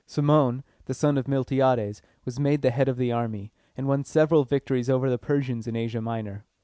Cimon, the son of Miltiades, was made the head of the army, and won several victories over the Persians in Asia Minor.